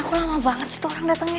kok lama banget sih tuh orang datengnya